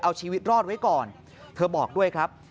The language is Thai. เอาชีวิตรอดไว้ก่อนเธอบอกด้วยครับ